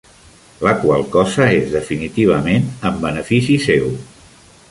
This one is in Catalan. La qual cosa és definitivament en benefici seu".